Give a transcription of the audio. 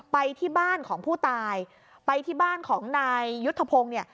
ไปที่บ้านของผู้ตายไปที่บ้านของนายยุทธพงศ์เนี่ย